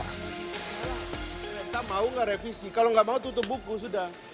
pemerintah mau nggak revisi kalau nggak mau tutup buku sudah